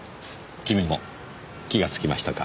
君も気がつきましたか。